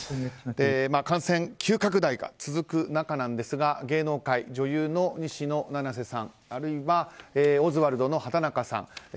感染急拡大が続く中なんですが芸能界、女優の西野七瀬さんあるいはオズワルドの畠中さん